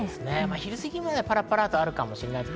昼過ぎにはパラパラあるかもしれません。